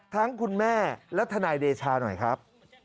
คุณแม่และทนายเดชาหน่อยครับ